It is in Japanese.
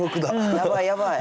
やばいやばい。